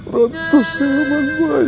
ratu siaman bayi